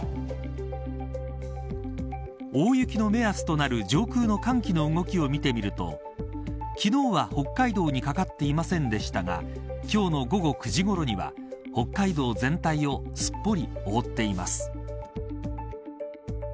大雪の目安となる上空の寒気の動きを見てみると昨日は北海道にかかっていませんでしたが今日の午後９時ごろには北海道全体をすっぽり覆っています。